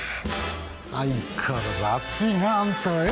相変わらず熱いなあんたはよ。